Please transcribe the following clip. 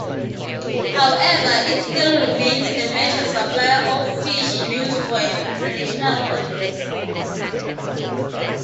However, it still remains a major suppler of Fiji news for an international audience.